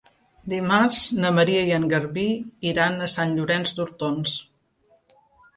Dimarts na Maria i en Garbí iran a Sant Llorenç d'Hortons.